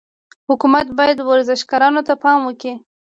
حکومت باید ورزشکارانو ته پام وکړي.